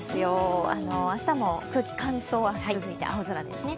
明日も空気の乾燥は続いて青空ですね。